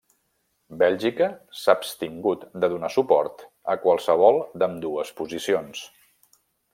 Bèlgica s'ha abstingut de donar suport a qualsevol d'ambdues posicions.